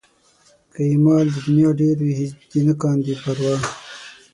که یې مال د نيا ډېر وي هېڅ دې نه کاندي پروا